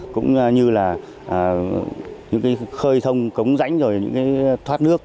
cũng như là những cái khơi thông cống rãnh rồi những cái thoát nước